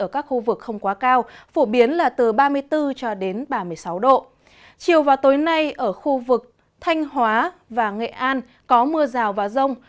chiều và tối nay ở khu vực thanh hóa và nghệ an có mưa rào và rông